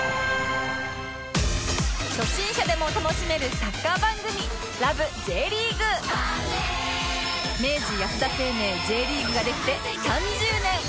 初心者でも楽しめるサッカー番組明治安田生命 Ｊ リーグができて３０年！